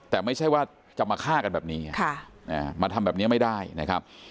แต่ไม่ใช่ว่าจะมาฆ่ากันแบบนี้มาทำแบบนี้ไม่ได้นะครับ